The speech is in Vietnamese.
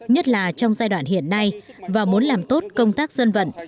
nhất là trong giai đoạn hiện nay và muốn làm tốt công tác dân vận